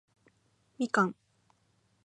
みかん